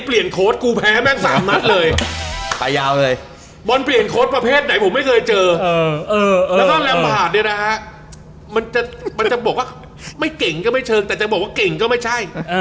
แล้วข้ามแรมภาษณ์เนี่ยนะฮะมันจะบอกว่าไม่เก่งก็ไม่เชิงแต่จะบอกว่าเก่งก็ไม่ใช่